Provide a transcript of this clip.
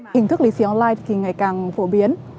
hình thức lì xì online thì ngày càng phổ biến